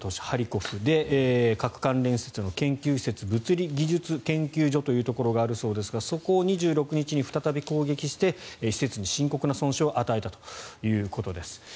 ハリコフで核関連施設の研究施設物理技術研究所というところがあるそうですがそこを２６日に再び攻撃して施設に深刻な損傷を与えたということです。